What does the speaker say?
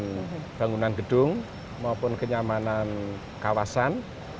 dengan bangunan gedung maupun kenyamanan kawasan